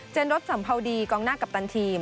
รถสัมภาวดีกองหน้ากัปตันทีม